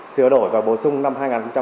sửa đổi và bổ sung năm hai nghìn chín